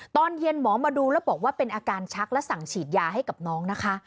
ตอนเย็นหมอมาดูแล้วบอกว่าเป็นอาการชักและสั่งฉีดยาให้กับน้องนะคะ